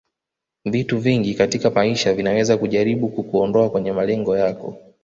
Vitu vingi katika maisha vinaweza kujaribu kukuondoa kwenye malengo yako